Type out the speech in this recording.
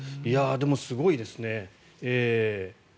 でも、すごいですね。